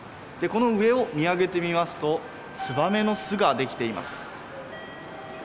この上を見上げてみますと、ツバメの巣が出来ています。